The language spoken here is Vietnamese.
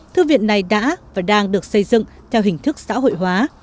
thư viện này đã và đang được xây dựng theo hình thức xã hội hóa